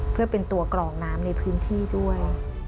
เพื่อเป็นตัวกรองน้ำในพื้นที่ด้วย